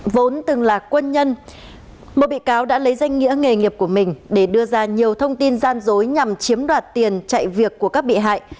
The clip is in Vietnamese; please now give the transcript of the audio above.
vốn từng là quân nhân một bị cáo đã lấy danh nghĩa nghề nghiệp của mình để đưa ra nhiều thông tin gian dối nhằm chiếm đoạt tiền chạy việc của các bị hại